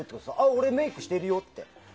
俺、メイクしてるよって。